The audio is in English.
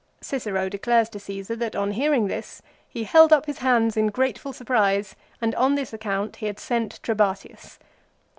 Cicero declares to Caesar that on hearing this he held up his hands in grateful surprise, and on this account he had sent Trebatius.